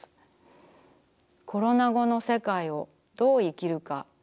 コロナ後の世界をどう生きるか。